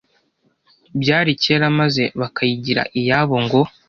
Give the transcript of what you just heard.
bya kera maze bakayigira iyabo ngo